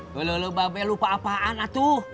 helo lu babbel lupa apaan aduh